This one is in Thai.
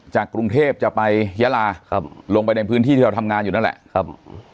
กรุงเทพจะไปยาลาครับลงไปในพื้นที่ที่เราทำงานอยู่นั่นแหละครับ